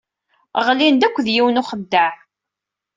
Ɣlin-d akked yiwen n uxeddaɛ.